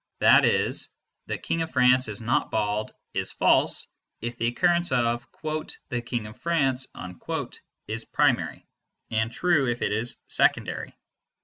That is, "the King of France is not bald" is false if the occurrence of "the King of France" is primary, and true if it is secondary.